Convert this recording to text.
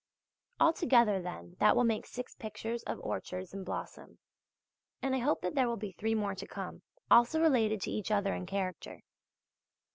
Altogether, then, that will make six pictures of orchards in blossom, and I hope that there will be three more to come, also related to each other in character.